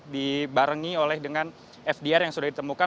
dibarengi oleh dengan fdr yang sudah ditemukan